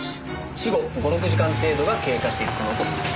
死後５６時間程度が経過しているとの事です。